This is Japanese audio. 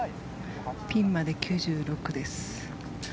ピンまで９６です。